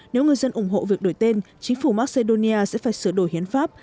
nếu người dân ủng hộ việc đổi tên chính phủ macedonia sẽ phải sửa đổi hiến pháp